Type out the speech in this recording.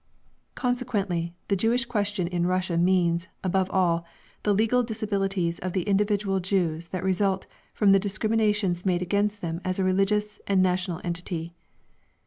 Consequently, the Jewish question in Russia means, above all, the legal disabilities of the individual Jews that result from the discriminations made against them as a religious and national entity.